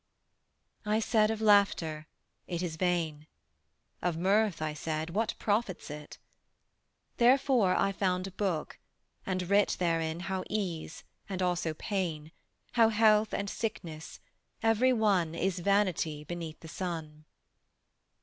I said of laughter, it is vain. Of mirth I said, what profits it? Therefore I found a book, and writ Therein how ease and also pain, How health and sickness, every one Is vanity beneath the sun.